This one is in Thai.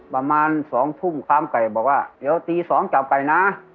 ประมาณ๒ทุ่มค้ามไก่บอกว่าเดี๋ยวตี๒จับไก่นะ